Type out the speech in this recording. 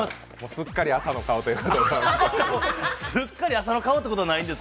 すっかり朝の顔ということで。